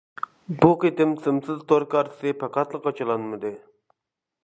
بۇ قېتىم سىمسىز تور كارتىسى پەقەتلا قاچىلانمىدى.